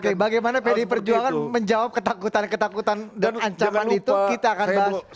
oke bagaimana pdi perjuangan menjawab ketakutan ketakutan dan ancaman itu kita akan bahas